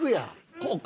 こうか。